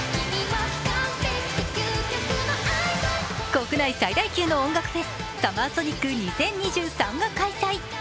国内最大級の音楽フェス、ＳＵＭＭＥＲＳＯＮＩＣ２０２３が開催。